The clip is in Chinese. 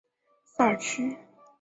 萨尔屈。